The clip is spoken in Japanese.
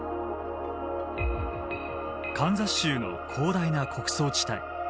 カンザス州の広大な穀倉地帯。